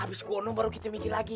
abis kuonong baru kita mikir lagi yih